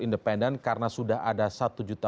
independen karena sudah ada satu juta